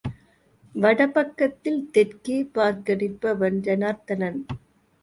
வட பக்கத்தில் தெற்கே பார்க்க நிற்பவன் ஜனார்த்தனன்.